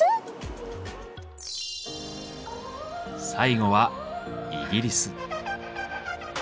最後はイギリス。